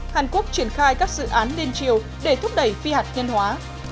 hàn quốc triển khai các dự án lên chiều để thúc đẩy phi hạt nhân hóa